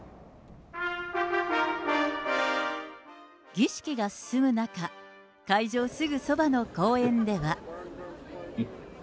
儀式が進む中、会場すぐそばの公園では。